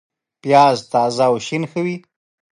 پیاز تازه او شین ښه وي